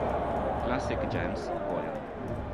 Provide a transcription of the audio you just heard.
Classic Gems Vol.